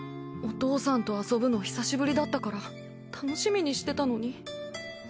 お父さんと遊ぶの久しぶりだったから楽しみにしてたのに。